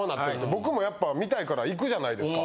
僕もやっぱ見たいから行くじゃないですか。